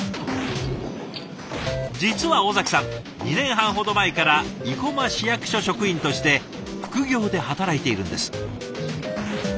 実は尾崎さん２年半ほど前から生駒市役所職員として副業で働いているんです。